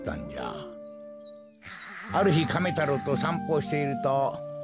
あるひカメ太郎とさんぽをしていると。